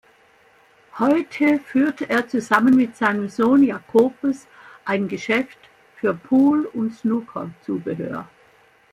Heute führt er zusammen mit seinem Sohn Jacobus ein Geschäft für Pool- und Snooker-Zubehör.